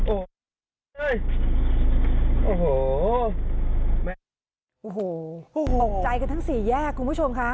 โอ้โหแม่โอ้โหตกใจกันทั้งสี่แยกคุณผู้ชมค่ะ